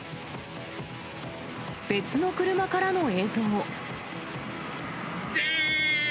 別の車からの映像。